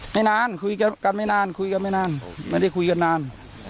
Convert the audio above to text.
ไม่นานคุยกันไม่นานคุยกันไม่นานไม่ได้คุยกันนาน